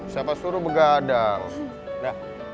siapa suruh begadang